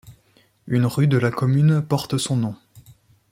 Une rue de la commune porte son nom.